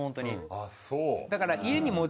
あっそう。